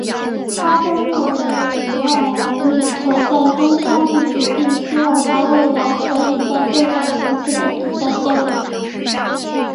他更认为以祖尔的能力可在中超立足并希望他未来可以在更高层次的比赛效力。